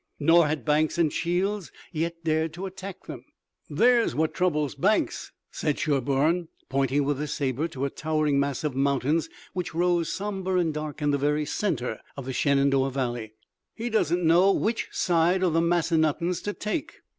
Nor had Banks and Shields yet dared to attack them. "There's what troubles Banks," said Sherburne, pointing with his saber to a towering mass of mountains which rose somber and dark in the very center of the Shenandoah Valley. "He doesn't know which side of the Massanuttons to take."